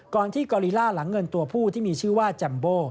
ที่กอลีล่าหลังเงินตัวผู้ที่มีชื่อว่าจัมโบ